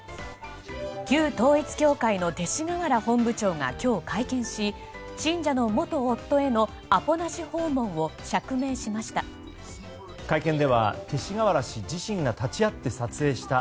旧統一教会の勅使河原本部長が今日会見し、信者の元夫へのアポなし訪問を釈明しました。